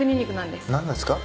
何ですか？